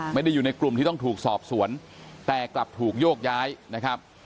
ไม่ได้อยู่ในกลุ่มที่ต้องถูกสอบสวนแต่กลับถูกโยกย้ายนะครับ